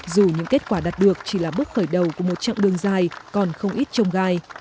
dù những kết quả đạt được chỉ là bước khởi đầu của một chặng đường dài còn không ít trông gai